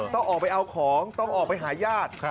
ต้องออกไปเอาของต้องออกไปหาญาติ